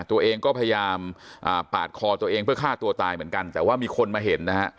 ตัวเองก็พยายามปาดคอตัวเองเพื่อฆ่าตัวตายเหมือนกันแต่ว่ามีคนมาเห็นนะฮะ